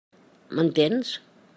M'entens?